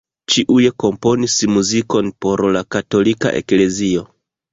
Ĉiuj komponis muzikon por la katolika eklezio.